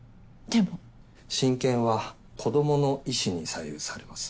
親権は子供の意思に左右されます。